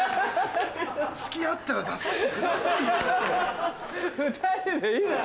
隙あったら出さしてくださいよ。